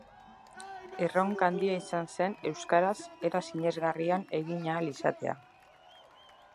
Erronka handia izan zen euskaraz era sinesgarrian egin ahal izatea.